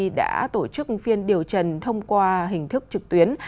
bộ thương mại mỹ điều trần đã tổ chức phiên điều trần thông qua hình thức trực tuyến